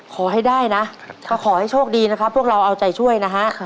ขอให้ได้นะถ้าขอให้โชคดีนะครับพวกเราเอาใจช่วยนะฮะ